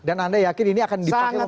dan anda yakin ini akan dipakai momentumnya